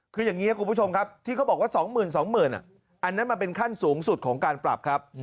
คืออย่างนี้ครับคุณผู้ชมครับที่เขาบอกว่า๒๒๐๐๐อันนั้นมันเป็นขั้นสูงสุดของการปรับครับ